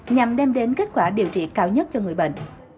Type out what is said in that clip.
nhằm đem đến kết quả điều trị cao nhất cho người bệnh